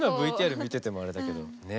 今ＶＴＲ見ててもあれだけどね。